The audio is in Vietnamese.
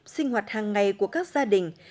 sinh hoạt hàng ngày của các gia đình